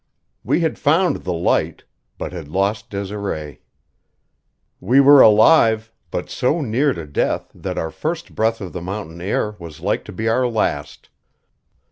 We had found the light, but had lost Desiree. We were alive, but so near to death that our first breath of the mountain air was like to be our last.